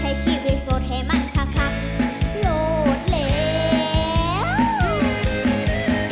ให้ชีวิตสดให้มันคักโหลดแล้ว